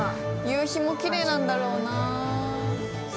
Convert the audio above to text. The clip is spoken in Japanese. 夕日もきれいなんだろうな。